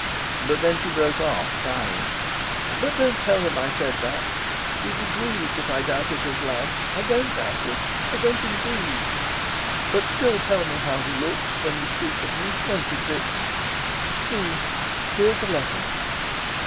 But then she broke off, crying, "But don't tell him I said that. He'd be grieved if I doubted his love. I don't doubt it; I don't, indeed; but still tell me how he looks when you speak of me, won't you, Fritz? See, here's the letter."